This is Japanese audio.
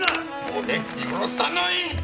俺許さない！